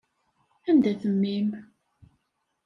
Anda-t mmi-m?